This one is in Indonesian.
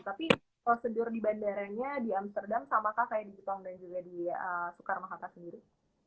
tapi prosedur di bandaranya di amsterdam sama kah kayak di jepang dan juga di sukarmakata sendiri